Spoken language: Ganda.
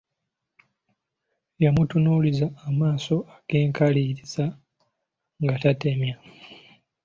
Yamutunuuliza amaaso ag’enkaliriza nga tatemya.